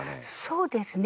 そうですね。